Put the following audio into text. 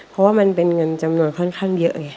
เพราะว่ามันเป็นเงินจำนวนค่อนข้างเยอะไง